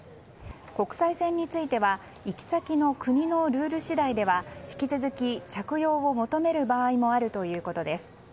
国際線については行き先の国のルール次第では引き続き着用を求める場合もあるということです。